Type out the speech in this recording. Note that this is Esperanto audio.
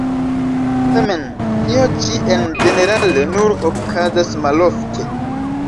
Tamen tio ĉi en ĝenerale nur okazas malofte.